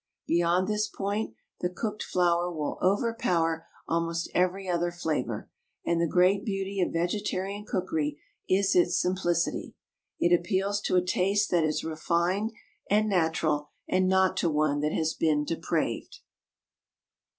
Beyond this point the cooked flour will overpower almost every other flavour, and the great beauty of vegetarian cookery is its simplicity, it appeals to a taste that is refined and natural, and not to one that has been depraved.